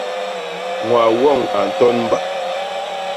Ñwaa woñ a ntonba.